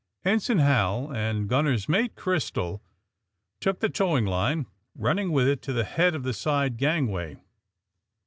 '' Ensign Hal and Gunner's Mate Crystal took the towing line, running with it to the head of the side gangway.